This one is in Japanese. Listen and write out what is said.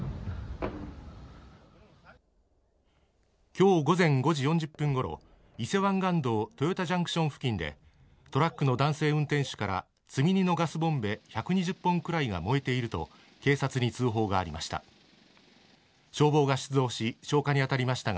今日午前５時４０分ごろ伊勢湾岸道豊田ジャンクション付近でトラックの男性運転手から積み荷のガスボンベ１２０本くらいが燃えていると警察に通報がありました。